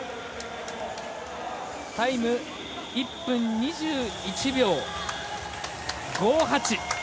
タイム、１分２１秒５８。